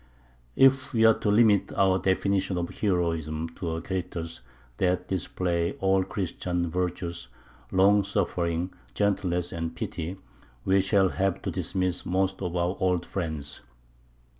If we are to limit our definition of heroism to characters that display all Christian virtues, long suffering, gentleness, and pity, we shall have to dismiss most of our old friends.